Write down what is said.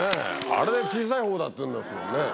あれで小さいほうだっていうんですもんね。